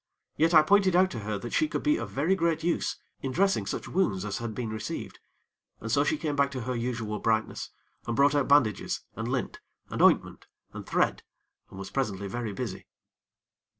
Yet I pointed out to her that she could be of very great use in dressing such wounds as had been received, and so she came back to her usual brightness, and brought out bandages, and lint, and ointment, and thread, and was presently very busy.